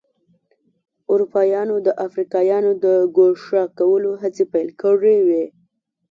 اروپایانو د افریقایانو د ګوښه کولو هڅې پیل کړې وې.